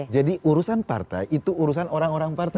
jadi urusan partai itu urusan orang orang partai